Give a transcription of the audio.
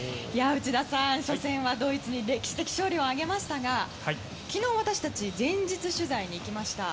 内田さん、初戦はドイツに歴史的勝利を挙げましたが昨日、私たち前日取材に行きました。